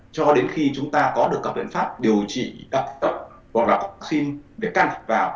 cho đến khi chúng ta có được các biện pháp điều trị hoặc là vaccine để căn thịt vào